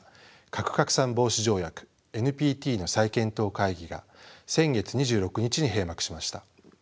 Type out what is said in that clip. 核拡散防止条約ＮＰＴの再検討会議が先月２６日に閉幕しました。